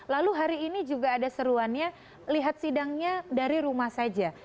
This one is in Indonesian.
lalu hari ini juga ada seruannya lihat sidangnya dari rumah saja